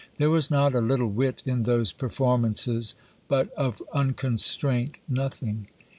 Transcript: There was not a little wit in those performances, but of unconstraint nothing.